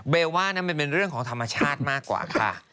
ว่านั้นมันเป็นเรื่องของธรรมชาติมากกว่าค่ะ